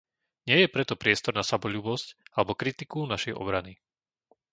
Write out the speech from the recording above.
Nie je preto priestor na samoľúbosť alebo kritiku našej obrany.